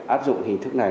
áp dụng hình thức này